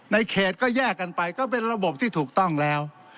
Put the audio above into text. ในเขตก็แยกกันไปก็เป็นระบบที่ถูกต้องแล้ว